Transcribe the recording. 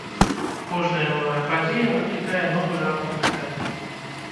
Кожная новая падзея выклікае новы раўнд пытанняў.